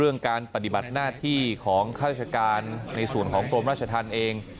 เรื่องการปฏิบัติหน้าที่ของฆาตรชการในส่วนของกรมราชธรรมราชที่เอง